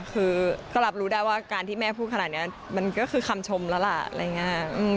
คือก็รับรู้ได้ว่าการที่แม่พูดขนาดนี้มันก็คือคำชมแล้วล่ะอะไรอย่างนี้